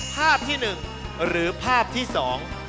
ภาพที่หนึ่งหรือภาพที่สอง